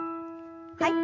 はい。